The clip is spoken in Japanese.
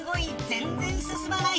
全然進まない。